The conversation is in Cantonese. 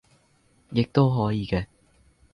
亦都可以嘅